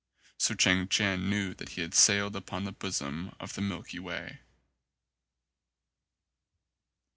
So Chang Chien knew that he had sailed upon the bosom of the Milky Way.